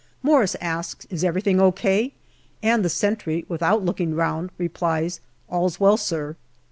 Morris asks, " Is everything O.K. ?" and the sentry, without looking round, replies, " All's well, sir."